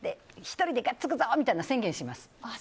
１人でがっつくぞって宣言します。